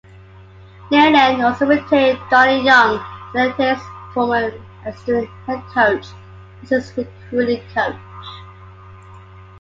Nehlen also retained Donnie Young, Cignetti's former assistant head coach, as his recruiting coach.